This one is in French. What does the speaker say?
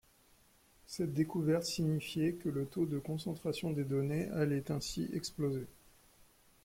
Cette découverte signifiait que le taux de concentration des données allait ainsi exploser.